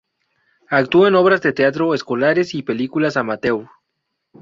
Actúo en obras de teatro escolares y películas amateur.